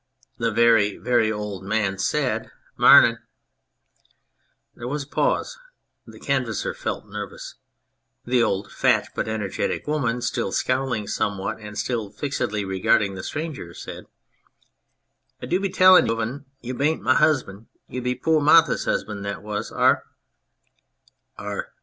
The very, very old man said :" Marnin'." There was a pause. The Canvasser felt nervous. The old, fat, but energetic woman, still scowling somewhat and still fixedly regarding the stranger, said " I do be tellin' of un you bain't my husband, you be poor Martha's husband that was. Ar !